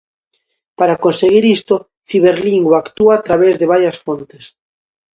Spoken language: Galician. Para conseguir isto Ciberlingua actúa a través de varias frontes.